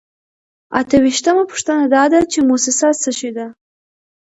اته ویشتمه پوښتنه دا ده چې موسسه څه شی ده.